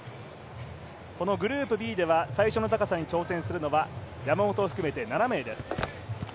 このグループＢでは最初の高さに挑戦するのは山本を含めて７名です。